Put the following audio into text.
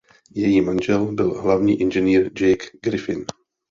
Její manžel byl hlavní inženýr Jake Griffin.